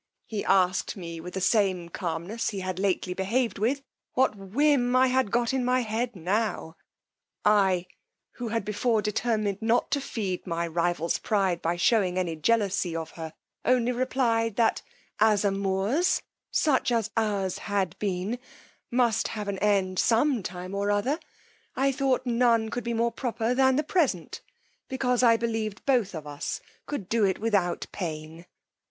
He asked me with the same calmness he had lately behaved with, what whim I had got in my head now, I, who had before determined not to feed my rival's pride by shewing any jealousy of her, only replied, that as amours, such as ours had been, must have an end some time or other, I thought none could be more proper than the present, because I believed both of us could do it without pain.